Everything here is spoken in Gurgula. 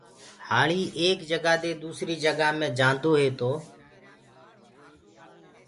هآݪي ايڪ جگآ دي دوسري جگآ مي جآندوئي تو